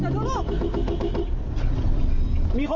สาธุฟังแม่